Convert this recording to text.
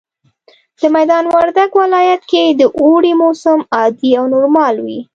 د ميدان وردګ ولايت کي د اوړي موسم عادي او نورمال وي